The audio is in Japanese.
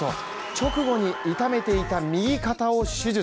直後に痛めていた右肩を手術。